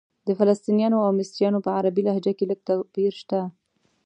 د فلسطنیانو او مصریانو په عربي لهجه کې لږ توپیر شته.